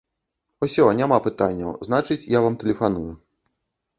Усё, няма пытанняў, значыць, я вам тэлефаную.